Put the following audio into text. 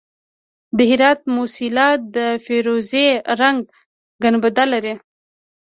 د هرات موسیلا د فیروزي رنګ ګنبد لري